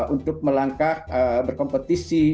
untuk melangkah berkompetisi